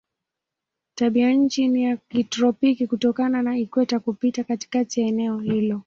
Tabianchi ni ya kitropiki kutokana na ikweta kupita katikati ya eneo hilo.